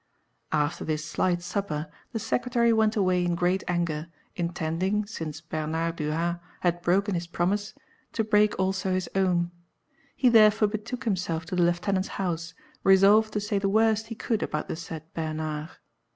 After this slight supper, the secretary went away in great anger, intending, since Bernard du Ha had broken his promise, to break also his own. He therefore betook himself to the Lieutenant's house, resolved to say the worst he could about the said Bernard.